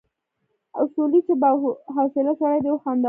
اصولي چې با حوصله سړی دی وخندل.